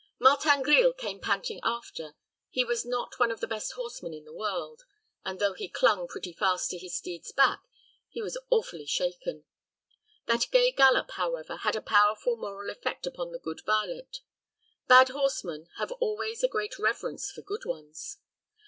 Martin Grille came panting after. He was not one of the best horsemen in the world, and, though he clung pretty fast to his steed's back, he was awfully shaken. That gay gallop, however, had a powerful moral effect upon the good varlet. Bad horsemen have always a great reverence for good ones.